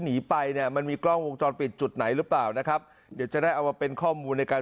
หนีไปเนี่ยมันมีกล้องวงจรปิดจุดไหนหรือเปล่านะครับเดี๋ยวจะได้เอามาเป็นข้อมูลในการ